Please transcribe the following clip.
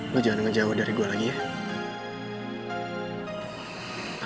lo jangan ngejauh dari gue lagi ya